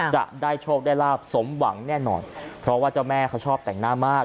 จะได้โชคได้ลาบสมหวังแน่นอนเพราะว่าเจ้าแม่เขาชอบแต่งหน้ามาก